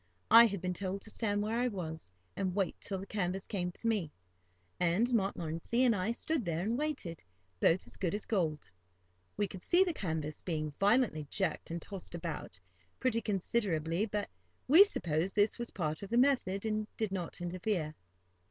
I had been told to stand where I was, and wait till the canvas came to me, and Montmorency and I stood there and waited, both as good as gold. We could see the canvas being violently jerked and tossed about, pretty considerably; but we supposed this was part of the method, and did not interfere.